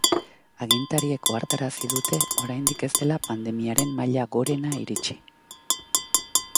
Agintariek ohartarazi dute oraindik ez dela pandemiaren maila gorena iritsi.